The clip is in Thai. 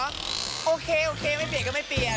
โอเคโอเคไม่เปลี่ยนก็ไม่เปลี่ยน